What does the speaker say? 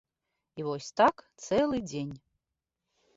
І вось так цэлы дзень.